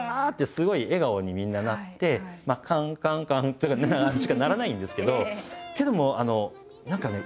すごい笑顔にみんななって「カンカンカン」とかしか鳴らないんですけどけども何かね